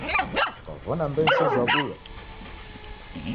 Kwaw'ona mmbenyu sejhi wabulwa?